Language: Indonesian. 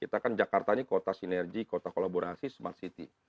kita kan jakarta ini kota sinergi kota kolaborasi smart city